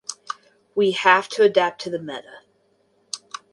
We have to adapt to the meta.